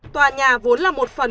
tòa nhà vốn là một phần